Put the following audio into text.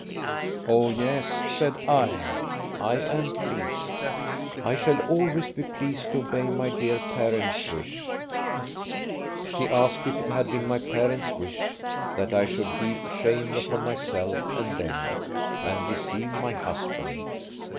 "* Oh, yes/ said I, ' I am pleased. I shall always be pleased to obey my dear parents' wish !'" She asked if it had been my parents' wish that I should heap shame upon myself and them and deceive my husband.